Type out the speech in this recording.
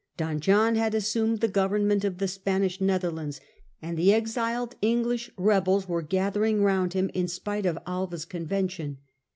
Don John had assumed the government of the Spanish Netherlands, and the exiled English rebels were gathering round him in spite of Alva's convention.